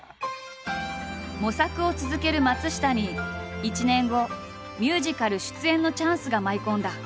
模索を続ける松下に１年後ミュージカル出演のチャンスが舞い込んだ。